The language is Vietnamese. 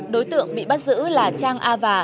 đối tượng bị bắt giữ là trang a và